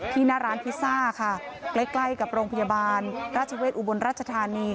หน้าร้านพิซซ่าค่ะใกล้ใกล้กับโรงพยาบาลราชเวศอุบลราชธานี